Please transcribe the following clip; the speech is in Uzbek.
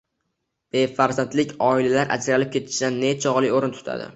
Befarzandlik oilalar ajralib ketishida nechog‘li o‘rin tutadi?